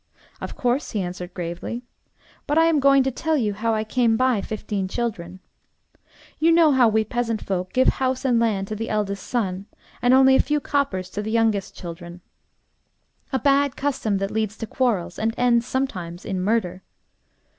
"Of course," he answered gravely. "But I am going to tell you how I came by fifteen children. You know how we peasant folk give house and land to the eldest son, and only a few coppers to the youngest children. A bad custom, that leads to quarrels, and ends sometimes in murder.